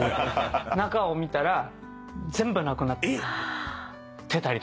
中を見たら全部なくなってたりとか。